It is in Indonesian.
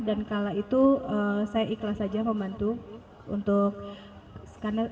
dan kalau itu saya ikhlas saja membantu untuk